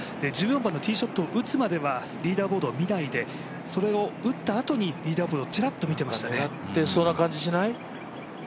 １４番のティーショットを打つ前はリーダーズボードを見ないで、それを打ったあとにリーダーズボードをちらっと見てましたね。